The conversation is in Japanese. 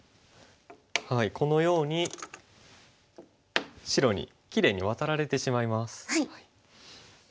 はいこのように白にきれいにワタられてしまいます。